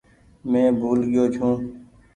مين بهول گئيو ڇو۔